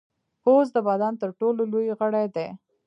پوست د بدن تر ټولو لوی غړی دی.